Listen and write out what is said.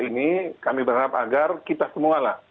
ini kami berharap agar kita semua lah